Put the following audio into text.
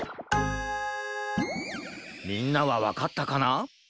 みんなはわかったかな？